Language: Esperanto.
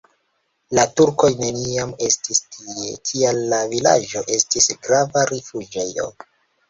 La turkoj neniam estis tie, tial la vilaĝo estis grava rifuĝejo.